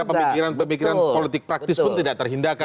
sehingga pemikiran pemikiran politik praktis pun tidak terhindakan